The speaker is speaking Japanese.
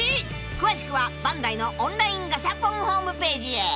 ［詳しくはバンダイのオンラインガシャポンホームページへ］